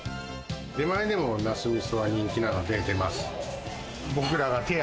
出前でもなす味噌は人気なので出ます。